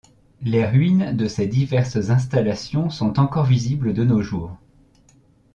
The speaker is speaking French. Les ruines de ces diverses installations sont encore visibles de nos jours.